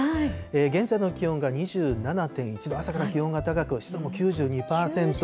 現在の気温が２７．１度、朝から気温が高く、湿度も９２％。